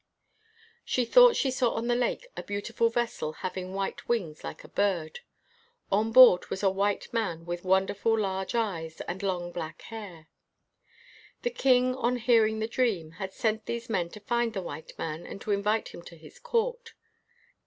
She thought she saw on the lake a beautiful vessel hav 6 INTERVIEW WITH A BLACK KING ing white wings like a bird. On board was a white man with wonderful, large eyes and long black hair. The king, on hearing the dream, had sent these men to find the white man and to invite him to his court.